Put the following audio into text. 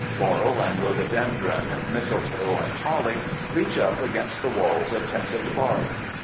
Laurel and rhododendron, mistletoe and holly, reach up against the walls of tinted bark.